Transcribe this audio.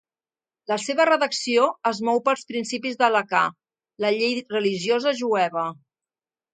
La seva redacció es mou pels principis de l'Halacà, la llei religiosa jueva.